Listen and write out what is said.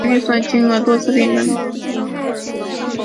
清朝嘉庆帝之嫔。